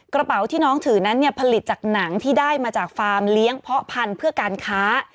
กระเป๋าที่น้องถือนั้นเนี่ยผลิตจากหนังที่ได้มาจากฟาร์มเลี้ยงเพาะพันธุ์เพื่อการค้า